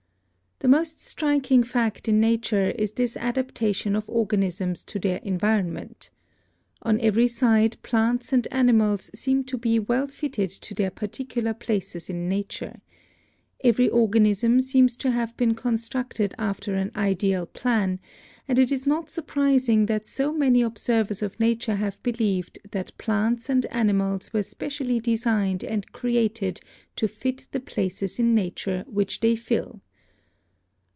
The most striking fact in nature is this adaptation of organisms to their environment. On every side plants and animals seem to be well fitted to their particular places in nature. Every organism seems to have been constructed after an ideal plan, and it is not surprising that so many observers of nature have believed that plants and animals were specially designed and created to fit the places in nature which they fill.